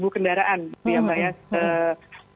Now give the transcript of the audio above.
kendaraan ya mbak ya